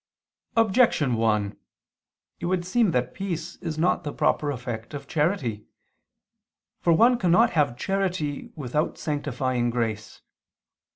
Objection 1: It would seem that peace is not the proper effect of charity. For one cannot have charity without sanctifying grace.